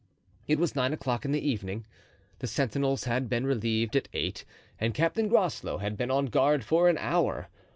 It was nine o'clock in the evening; the sentinels had been relieved at eight and Captain Groslow had been on guard for an hour.